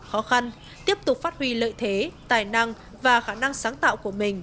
khó khăn tiếp tục phát huy lợi thế tài năng và khả năng sáng tạo của mình